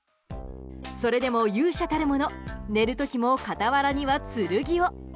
それでも、勇者たるもの寝る時も傍らには剣を。